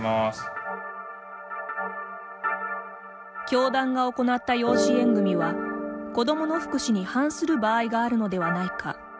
教団が行った養子縁組は子どもの福祉に反する場合があるのではないか。